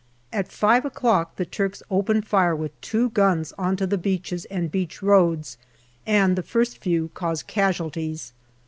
At five o'clock the Turks open fire with two guns on to the beaches and beach roads, and the first few cause casualties.